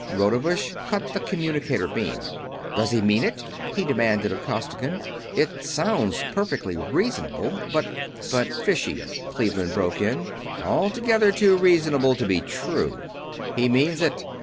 Rodebush cut the communicator beam. "Does he mean it?" he demanded of Costigan. "It sounds perfectly reasonable, but...." "But fishy!" Cleveland broke in. "Altogether too reasonable to be true!" "He means it.